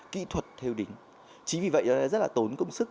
kỹ thuật theo đính chính vì vậy rất là tốn công sức